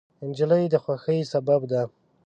نجلۍ د خوښۍ سبب ده.